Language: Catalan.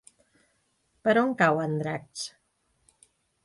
Per on cau Andratx?